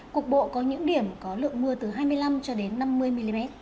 cục bộ có những điểm có lượng mưa từ hai mươi năm cho đến năm mươi mm